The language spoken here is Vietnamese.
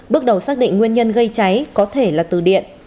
bước đầu xác định nguyên nhân gây cháy có thể là từ điện